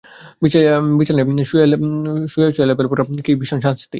বিছানায় শুইয়া শুইয়া লভেল পড়ার সে কী ভীষণ শাস্তি!